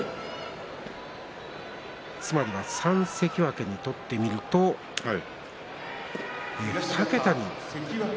つまりは、３関脇にとってみると２桁に。